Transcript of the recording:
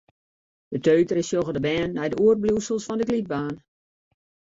Beteutere sjogge de bern nei de oerbliuwsels fan de glydbaan.